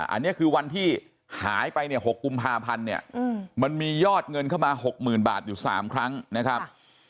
อันนี้คือวันที่หายไปเนี่ย๖กุมภาพันธ์เนี่ยมันมียอดเงินเข้ามา๖๐๐๐บาทอยู่๓ครั้งนะครับ